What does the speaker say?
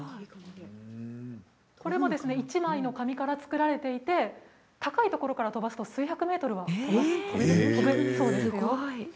これも１枚の紙から作られていて高いところから飛ばすと数百ｍ届くそうですよ。